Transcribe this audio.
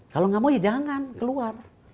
kalau nggak mau ya jangan keluar